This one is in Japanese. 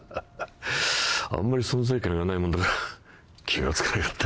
あんまり存在感がないもんだから気が付かなかった。